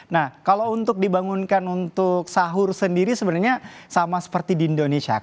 nah kalau untuk dibangunkan untuk sahur sendiri sebenarnya sama seperti di indonesia